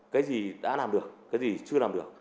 cái gì đã làm được cái gì chưa làm được